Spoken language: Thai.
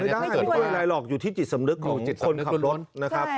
ไม่ได้เกิดอะไรหรอกอยู่ที่จิตสำนึกของจิตคนขับรถนะครับ